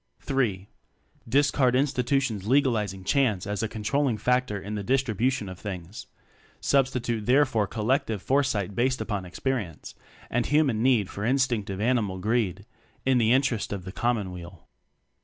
(III) Discard institutions legaliz ing "chance" as a controlling factor for the distribution of things; ^ Substitute therefor collective fore sight based upon experience; and hu man need for instinctive animal greed in the interest of the commonweal.